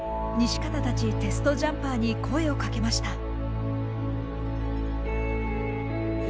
西方たちテストジャンパーに声をかけました。